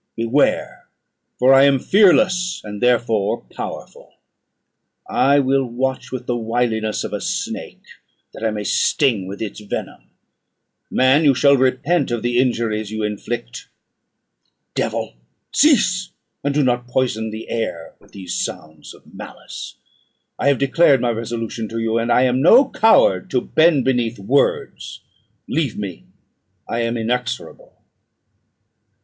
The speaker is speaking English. Beware; for I am fearless, and therefore powerful. I will watch with the wiliness of a snake, that I may sting with its venom. Man, you shall repent of the injuries you inflict." "Devil, cease; and do not poison the air with these sounds of malice. I have declared my resolution to you, and I am no coward to bend beneath words. Leave me; I am inexorable."